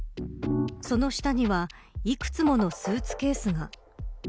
その下にはいくつものスーツケースが。